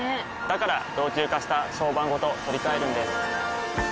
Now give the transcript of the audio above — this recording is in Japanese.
から老朽化した床版ごと取り替えるんです。